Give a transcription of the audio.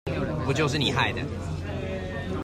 不就是你害的